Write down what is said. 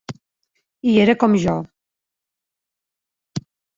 I era com jo!